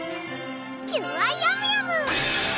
キュアヤムヤム！